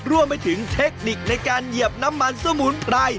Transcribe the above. รวมไปถึงเทคนิคในการเหยียบน้ำมันสมุนไพร